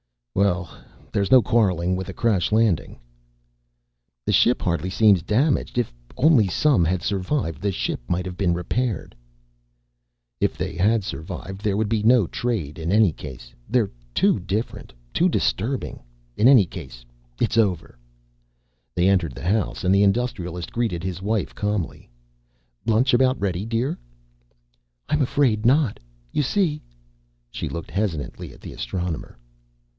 "Well, there's no quarreling with a crash landing." "The ship hardly seems damaged. If only some had survived, the ship might have been repaired." "If they had survived, there would be no trade in any case. They're too different. Too disturbing. In any case it's over." They entered the house and the Industrialist greeted his wife calmly. "Lunch about ready, dear." "I'm afraid not. You see " She looked hesitantly at the Astronomer.